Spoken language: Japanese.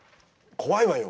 怖いわよ。